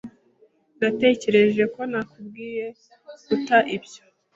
Natekereje ko nakubwiye guta ibyo.